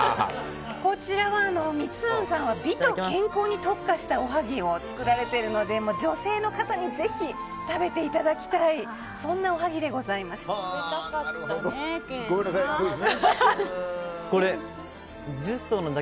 こちら、みつあんさんは美と健康に特化したおはぎを作られているので女性の方にぜひ食べていただきたい食べたかったね、ケイさん。